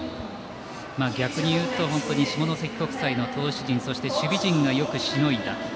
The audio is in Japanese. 逆に言うと下関国際の投手陣そして守備陣がよくしのいだ。